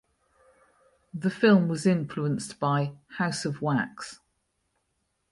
The film was influenced by "House of Wax".